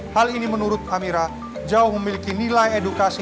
hal ini menurut amira jauh memiliki nilai edukasi